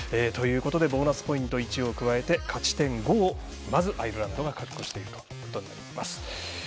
ボーナスポイント１を加えて勝ち点５をアイルランドが確保していることになります。